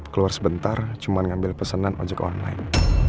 keluar sebentar cuma ngambil pesanan ojek online